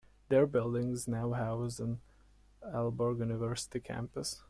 Their buildings now house an Aalborg University campus.